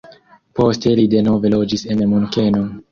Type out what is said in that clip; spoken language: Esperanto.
Poste li denove loĝis en Munkeno.